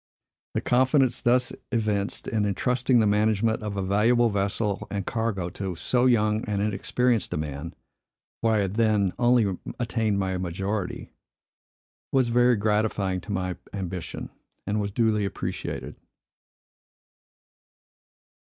The confidence, thus evinced, in intrusting the management of a valuable vessel and cargo to so young and inexperienced a man, for I had then only attained my majority, was very gratifying to my ambition, and was duly appreciated.